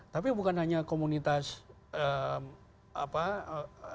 tapi bukan hanya komunitas diplomat saja yang menyampaikan keprihatinan